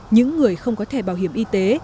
những người không có thẻ bảo hiểm y tế